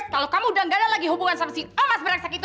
kalau kamu udah nggak ada lagi hubungan sama si emas beraksa gitu